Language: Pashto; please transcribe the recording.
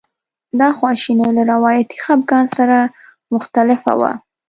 دا خواشیني له روایتي خپګان سره مختلفه وه.